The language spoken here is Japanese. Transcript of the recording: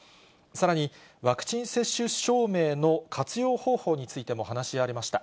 さらに、ワクチン接種証明の活用方法についても話し合われました。